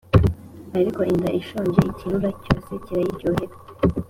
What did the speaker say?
ariko inda ishonje ikirura cyose kirayiryohera